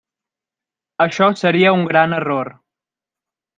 Això seria un gran error.